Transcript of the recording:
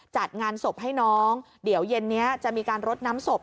จัดงานศพให้น้องเดี๋ยวเย็นนี้จะมีการรดน้ำศพ